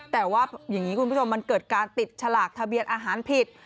แต่ว่าอย่างนี้คุณผู้ชมมันเกิดการติดฉลากทะเบียนอาหารผิด